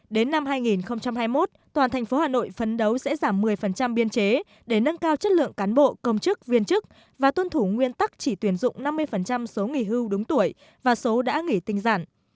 đến năm hai nghìn hai mươi một toàn thành phố hà nội phấn đấu sẽ giảm một mươi biên chế để nâng cao chất lượng cán bộ công chức viên chức và tuân thủ nguyên tắc chỉ tuyển dụng năm mươi số nghỉ hưu đúng tuổi và số đã nghỉ tinh giản